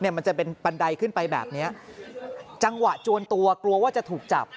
มันจะเป็นบันไดขึ้นไปแบบเนี้ยจังหวะจวนตัวกลัวกลัวว่าจะถูกจับ